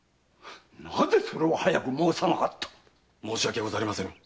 なぜそれを早く申さなかった⁉申し訳ございませぬ！